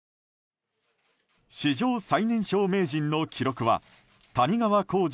史上最年少名人の記録は谷川浩司